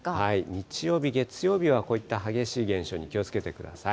日曜日、月曜日はこういった激しい現象に気をつけてください。